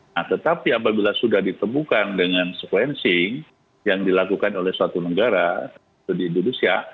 nah tetapi apabila sudah ditemukan dengan sequencing yang dilakukan oleh suatu negara di indonesia